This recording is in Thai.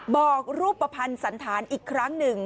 บอกรูปภัณฑ์สันธารอีกครั้งหนึ่ง